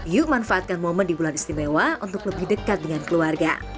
yuk manfaatkan momen di bulan istimewa untuk lebih dekat dengan keluarga